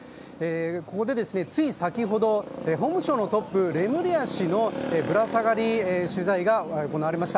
ここでつい先ほど、法務省のトップレムリヤ氏のぶら下がり取材が行われました。